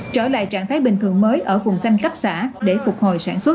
trở lại trạng thái bình thường mới ở vùng xanh cấp xã để phục hồi sản xuất